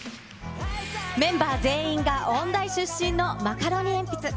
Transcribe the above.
メンバー全員が音大出身のマカロニえんぴつ。